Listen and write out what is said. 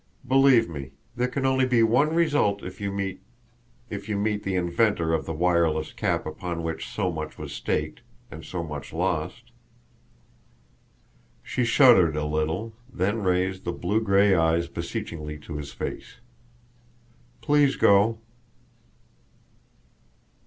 Believe me, there can only be one result if you meet if you meet the inventor of the wireless cap upon which so much was staked, and so much lost." She shuddered a little, then raised the blue gray eyes beseechingly to his face. "Please go."